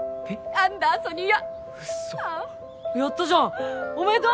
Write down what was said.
アンダーソニアウソやったじゃんおめでとう！